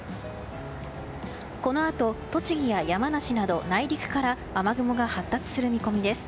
このあと栃木や山梨など内陸から雨雲が発達する見込みです。